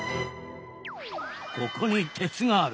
ここに鉄がある。